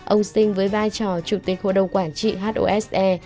ông sinh với vai trò chủ tịch hội đồng quản trị hose